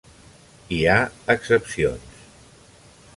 Hi ha excepcions.